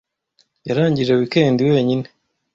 Yarangije weekend wenyine.